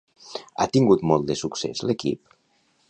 Ha tingut molt de succés l'equip?